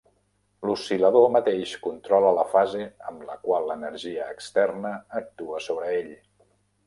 L'oscil·lador mateix controla la fase amb la qual l'energia externa actua sobre ell.